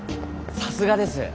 さすがです。